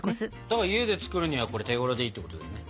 だから家で作るにはこれ手ごろでいいってことだよね。